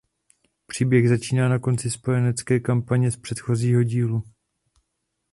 Příběh začíná na konci spojenecké kampaně z předchozího dílu.